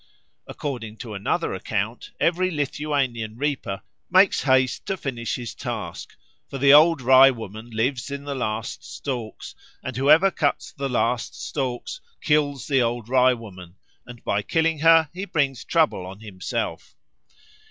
According to another account, every Lithuanian reaper makes haste to finish his task; for the Old Rye woman lives in the last stalks, and whoever cuts the last stalks kills the Old Rye woman, and by killing her he brings trouble on himself.